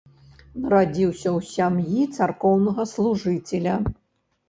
Нарадзіўся ў сям'і царкоўнага служыцеля.